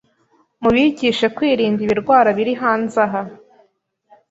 Mubigishe kwirinda ibirwara biri hanze aha